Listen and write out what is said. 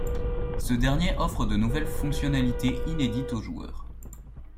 Ce dernier offre de nouvelles fonctionnalités inédites aux joueurs.